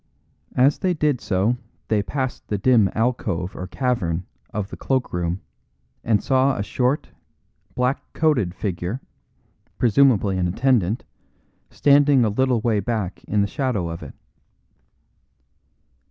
As they did so they passed the dim alcove or cavern of the cloak room, and saw a short, black coated figure, presumably an attendant, standing a little way back in the shadow of it.